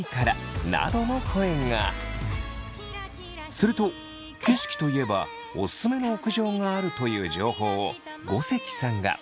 すると景色といえばオススメの屋上があるという情報をごせきさんが。